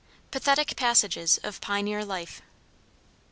PATHETIC PASSAGES OF PIONEER LIFE.